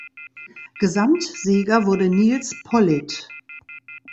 Gesamtsieger wurde Nils Politt.